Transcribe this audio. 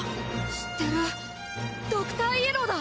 知ってるドクターイエローだ！